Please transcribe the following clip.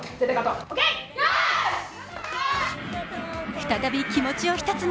再び気持ちを一つに。